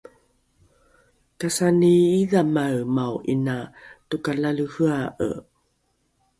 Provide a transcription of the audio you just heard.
kasani idhamaemao ’ina tokalalehea’e